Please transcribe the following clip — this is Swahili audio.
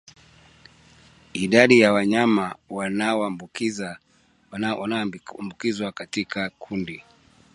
Idadi ya wanyama wanaoambukizwa katika kundi